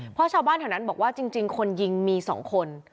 เพราะชาวบ้านแถวนั้นบอกว่าจริงคนยิงมี๒คน